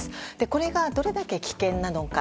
これがどれだけ危険なのか。